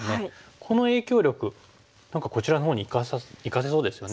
この影響力何かこちらのほうに生かせそうですよね。